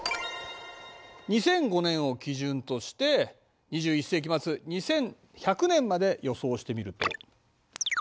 ２００５年を基準として２１世紀末２１００年まで予想してみると。